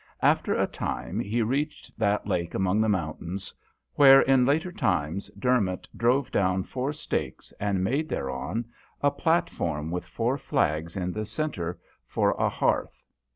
After a time he reached that lake among the mountains where in later times Dermot drove down four stakes and made thereon a platform with four flags in the centre for a hearth, DHOYA.